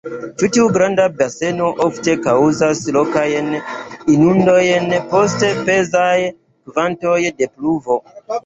Ĉi-tiu granda baseno ofte kaŭzas lokajn inundojn post pezaj kvantoj da pluvo.